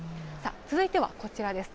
続いてはこちらです。